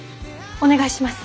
お願いします。